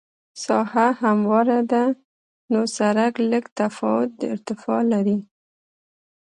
ساحه همواره ده نو سرک لږ تفاوت د ارتفاع لري